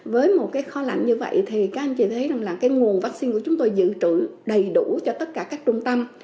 với một cái kho lạnh như vậy thì các anh chị thấy là nguồn vaccine của chúng tôi giữ trữ đầy đủ cho tất cả các trung tâm